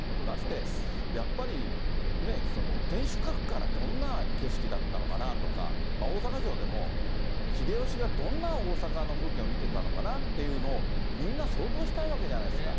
だって、やっぱりね、天守閣からどんな景色だったのかなとか、大阪城でも、秀吉がどんな大阪の風景を見てたのかなっていうのをみんな想像したいわけじゃないですか。